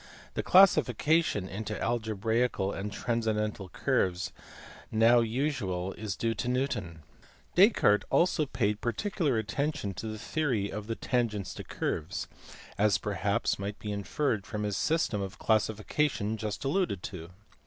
The classification into algebraical and transcen dental curves now usual is due to Newton (see below, p. 346). Descartes also paid particular attention to the theory of the tangents to curves as perhaps might be inferred from his system of classification just alluded to.